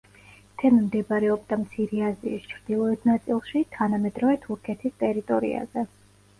თემი მდებარეობდა მცირე აზიის ჩრდილოეთ ნაწილში, თანამედროვე თურქეთის ტერიტორიაზე.